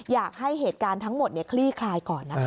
อยากให้เหตุการณ์ทั้งหมดคลี่คลายก่อนนะคะ